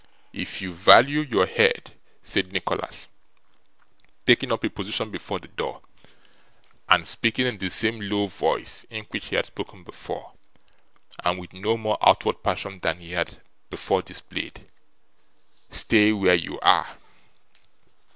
'If you value your head,' said Nicholas, taking up a position before the door, and speaking in the same low voice in which he had spoken before, and with no more outward passion than he had before displayed; 'stay where you are!